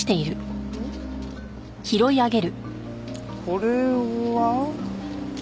これは？